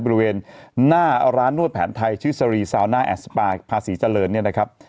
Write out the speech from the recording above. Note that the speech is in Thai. บริเวณหน้าร้านนวดแผนไทยชื่อสรีซาวน่าแอดสปายภาษีเจริญเนี่ยนะครับ